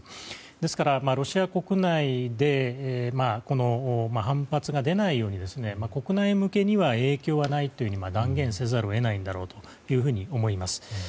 ですから、ロシア国内で反発が出ないように国内向けには影響はないと断言せざるを得ないんだろうと思います。